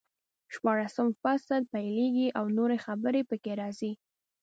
شپاړسم فصل پیلېږي او نورې خبرې پکې راځي.